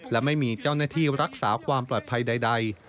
และไม่มีเจ้าหน้าที่รักษาความปลอดภัยใด